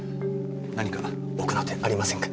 何か奥の手ありませんか？